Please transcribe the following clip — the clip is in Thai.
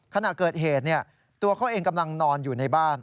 ขณะเกิดเหตุตัวเขาเองกำลังนอนอยู่ในบ้าน